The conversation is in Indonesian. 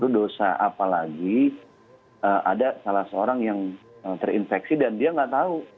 dosa apalagi ada salah seorang yang terinfeksi dan dia nggak tahu